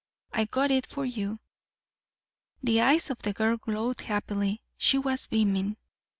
I got it for you " The eyes of the girl glowed happily. She was beaming.